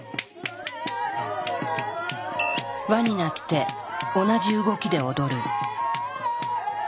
輪になって同じ動きで踊る。